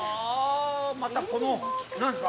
また、この何ですか？